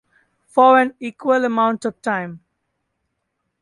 For an equal amount of time.